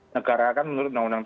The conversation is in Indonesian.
negara kan menurut undang undang